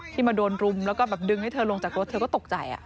มาโดนรุมแล้วก็แบบดึงให้เธอลงจากรถเธอก็ตกใจ